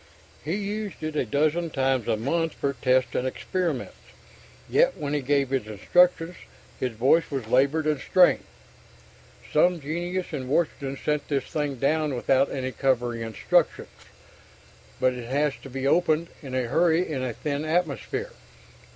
He used it a dozen times a month for tests and experiments, yet when he gave his instructions his voice was labored and strained. "Some genius in Washington sent this thing down without any covering instructions, but it has to be opened in a hurry in a thin atmosphere.